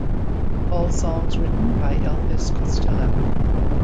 All songs written by Elvis Costello.